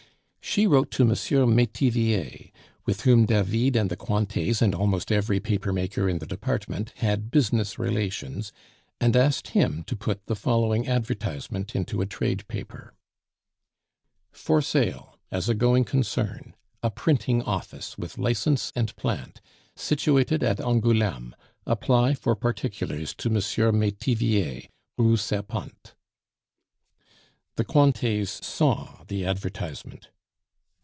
She wrote to M. Metivier, with whom David and the Cointets and almost every papermaker in the department had business relations, and asked him to put the following advertisement into a trade paper: "FOR SALE, as a going concern, a Printing Office, with License and Plant; situated at Angouleme. Apply for particulars to M. Metivier, Rue Serpente." The Cointets saw the advertisement.